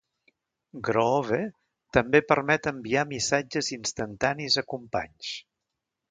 Groove també permet enviar missatges instantanis a companys.